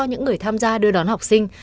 những người tham gia đưa đón học sinh